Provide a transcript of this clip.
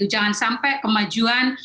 jangan sampai kemajuan